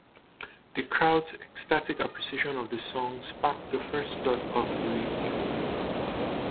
The crowd's ecstatic appreciation of the songs sparked the first thoughts of reunion.